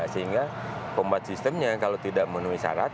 sehingga kombat sistemnya kalau tidak menuhi syarat